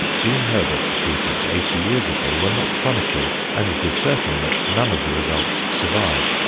Dean Herbert's achievements eighty years ago were not chronicled, and it is certain that none of the results survive.